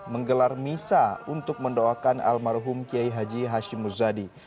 menggelar misa untuk mendoakan almarhum kiai haji hashim muzadi